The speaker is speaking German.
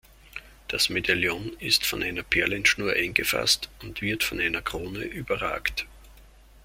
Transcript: Das Medaillon ist von einer Perlenschnur eingefasst und wird von einer Krone überragt.